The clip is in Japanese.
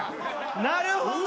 なるほど。